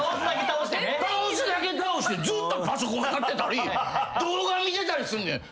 倒すだけ倒してずっとパソコンやってたり動画見てたりすんねん。